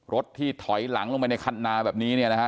รถที่ถอยหลังลงไปในคันนาแบบนี้เนี่ยนะฮะ